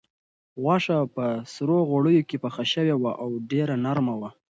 غوښه په سرو غوړیو کې پخه شوې وه او ډېره نرمه وه.